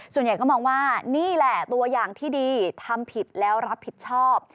ส่วนใหญ่ก็มองว่านี่แหละตัวอย่างที่ดีทำผิดแล้วรับผิดชอบ